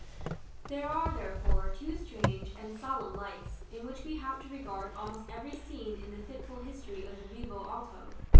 § X. There are, therefore, two strange and solemn lights in which we have to regard almost every scene in the fitful history of the Rivo Alto.